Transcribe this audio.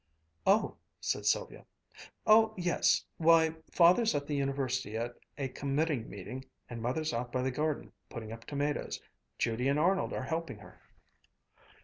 "Oh," said Sylvia. "Oh yes why, Father's at the University at a committee meeting and Mother's out by the garden putting up tomatoes. Judy and Arnold are helping her."